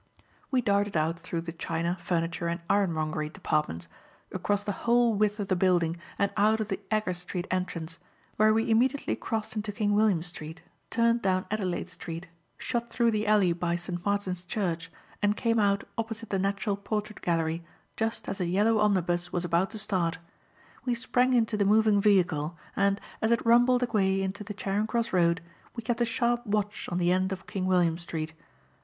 We darted out through the china, furniture and ironmongery departments, across the whole width of the building and out of the Agar Street entrance, where we immediately crossed into King William Street, turned down Adelaide Street, shot through the alley by St. Martin's Church, and came out opposite the National Portrait Gallery just as a yellow omnibus was about to start. We sprang into the moving vehicle, and, as it rumbled away into the Charing Cross Road, we kept a sharp watch on the end of King William Street.